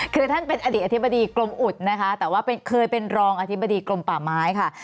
คือท่านเป็นอดีตอธิบดีกรมอุดนะคะแต่ว่าเคยเป็นรองอธิบดีกรมป่าไม้ค่ะ